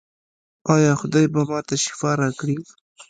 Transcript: ایا خدای به ما ته شفا راکړي؟